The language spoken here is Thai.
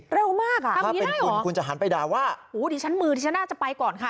เร็วมากอ่ะถ้าเป็นคุณคุณจะหันไปด่าว่าหูดิฉันมือดิฉันน่าจะไปก่อนค่ะ